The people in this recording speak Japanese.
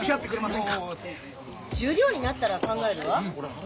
十両になったら考えるわ。